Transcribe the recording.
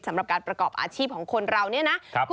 สำหรับการประกอบอาชีพของคนเราเนี่ยนะ